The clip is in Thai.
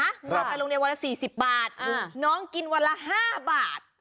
รวมไปโรงเรียนวันละ๔๐บาทน้องกินวันละ๕บาท